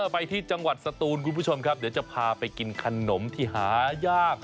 ไปที่จังหวัดสตูนคุณผู้ชมครับเดี๋ยวจะพาไปกินขนมที่หายาก